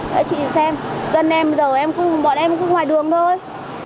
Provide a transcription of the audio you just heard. để chị xem dân em bây giờ bọn em cũng cứ ngoài đường thôi